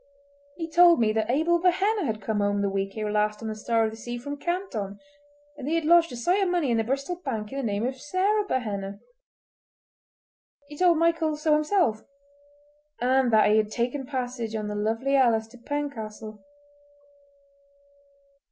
He told me that Abel Behenna had come home the week ere last on the Star of the Sea from Canton, and that he had lodged a sight of money in the Bristol Bank in the name of Sarah Behenna. He told Michael so himself—and that he had taken passage on the Lovely Alice to Pencastle.